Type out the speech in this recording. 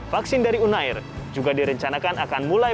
vaksin dari unair juga direncanakan akan mulai